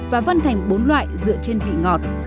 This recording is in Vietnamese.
và vân thành bốn loại dựa trên vị ngọt